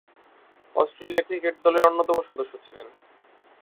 Australia cricket দলের অন্যতম সদস্য ছিলেন।